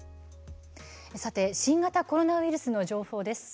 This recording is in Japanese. さて、新型コロナウイルスの情報です。